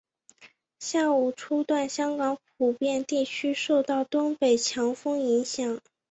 下午初段香港普遍地区受到东北强风影响。